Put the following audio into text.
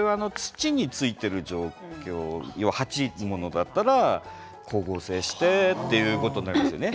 それは土についている鉢物だったら光合成したということなりますね。